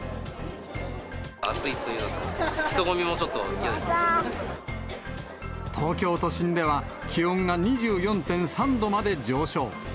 暑いというか、人混みもちょ東京都心では、気温が２４．３度まで上昇。